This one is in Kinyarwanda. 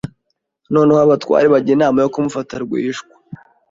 Noneho abatware bajya inama yo kumufata rwihishwa